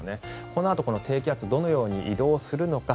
このあとこの低気圧どのように移動するのか。